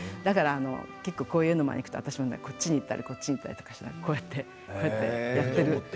だから結構こういう絵の前に行くと私はねこっちに行ったりこっちに行ったりとかしながらこうやってこうやってやってる。